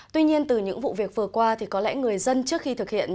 tuy nhiên từ những vụ việc vừa qua thì có lẽ người dân trước khi thực hiện